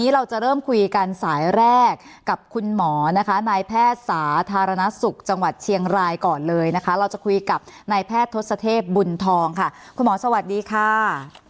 เราจะคุยกับในแพทย์ทศเทพบุญทองค่ะคุณหมอสวัสดีค่ะ